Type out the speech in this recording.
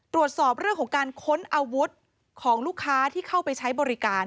ตรวจสอบเรื่องของการค้นอาวุธของลูกค้าที่เข้าไปใช้บริการ